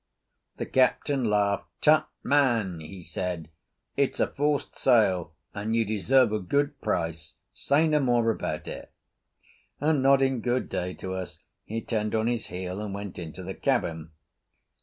The captain laughed. "Tut, man," he said, "it's a forced sale, and you deserve a good price. Say no more about it;" and nodding good day to us, he turned on his heel and went into the cabin.